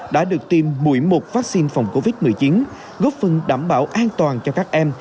đã được tiêm mũi một vaccine phòng covid một mươi chín góp phần đảm bảo an toàn cho các em